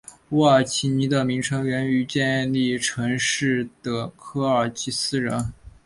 乌尔齐尼的名称源于建立城市的科尔基斯人。